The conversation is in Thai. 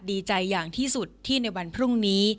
ดีใจอย่างที่สุดที่ในวันพรุ่งนี้